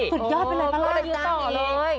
สุดยอดไปเลยมาล่าเยอะต่อเลย